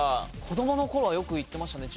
子供の頃はよく行ってましたね